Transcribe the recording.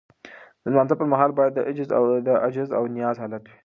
د لمانځه پر مهال باید د عجز او نیاز حالت وي.